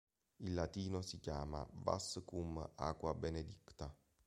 In latino si chiama "vas cum aqua benedicta".